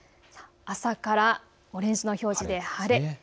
朝からオレンジの表示で晴れ。